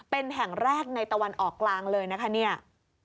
เป็นแห่งแรกในตะวันออกกลางเลยนะคะเนี่ย